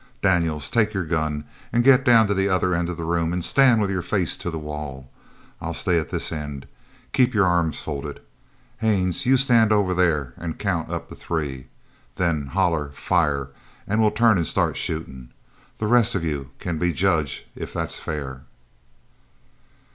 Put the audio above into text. Daniels, take your gun and git down to the other end of the room an' stand with your face to the wall. I'll stay at this end. Keep your arms folded. Haines, you stand over there an' count up to three. Then holler: 'Fire!' an' we'll turn an' start shootin'. The rest of you c'n be judge if that's fair."